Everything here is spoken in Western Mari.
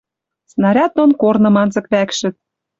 Снаряд дон корным анзык вӓкшӹт